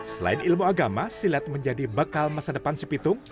selain ilmu agama silat menjadi bekal masa depan si pitung